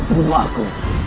kau jangan bunuh aku